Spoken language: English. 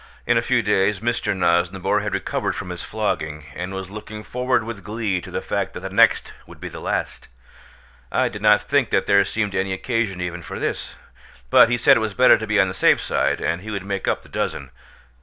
In a few days Mr. Nosnibor had recovered from his flogging, and was looking forward with glee to the fact that the next would be the last. I did not think that there seemed any occasion even for this; but he said it was better to be on the safe side, and he would make up the dozen.